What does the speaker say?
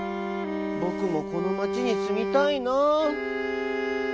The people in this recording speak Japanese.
ぼくもこの町にすみたいなあ」。